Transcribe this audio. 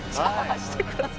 「してください」